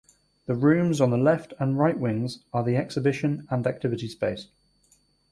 The rooms on the left and right wings are the exhibition and activity space.